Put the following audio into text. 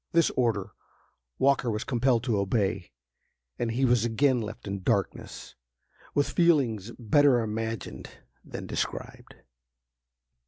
This order Walker was compelled to obey, and he was again left in darkness, with feelings better imagined than described.